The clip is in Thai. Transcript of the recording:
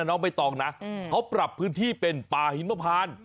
น้องใบตองนะเขาปรับพื้นที่เป็นป่าหิมพาน